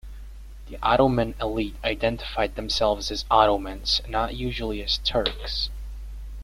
The Ottoman elite identified themselves as Ottomans, not usually as Turks.